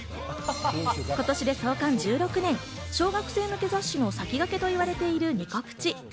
今年で創刊１６年、小学生向け雑誌の先駆けといわれている『ニコ☆プチ』。